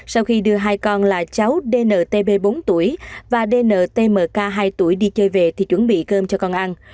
sau khi đưa hai con là cháu dnt bốn tuổi và dntmk hai tuổi đi chơi về thì chuẩn bị cơm cho con ăn